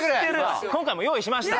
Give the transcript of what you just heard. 今回も用意しました